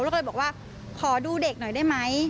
แล้วก็เลยบอกว่าขอดูเด็กหน่อยได้ไหม